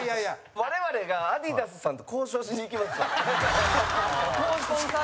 我々が、アディダスさんと交渉しに行きますわ。